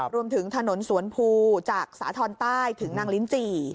รวมถึงถนนสวนภูจากสาธรณ์ใต้ถึงนางลิ้นจี่